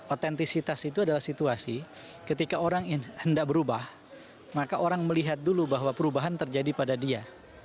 otentisitas itu adalah situasi ketika orang hendak berubah maka orang melihat dulu bahwa perubahan terjadi pada dia